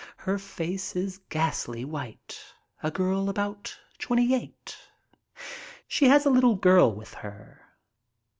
Her face is ghastly white, a girl about twenty eight. She has a little girl with her.